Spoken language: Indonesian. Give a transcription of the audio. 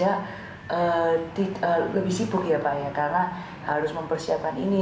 jadi kita lebih sibuk ya pak ya karena harus mempersiapkan ini